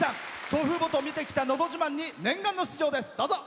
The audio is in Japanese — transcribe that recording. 祖父母と見てきた「のど自慢」に念願の出場です。